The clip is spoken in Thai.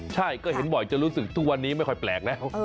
ใช่ก็เห็นบ่อยจะรู้สึกทุกวันนี้ไม่ค่อยแปลกแล้ว